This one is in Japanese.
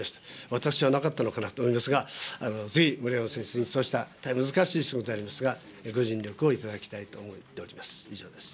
私はなかったのかなと思いますが、ぜひ森山先生に、そうした大変難しい質問でありますが、ご尽力を頂きたいと思っております。